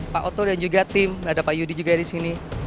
pak oto dan juga tim ada pak yudi juga di sini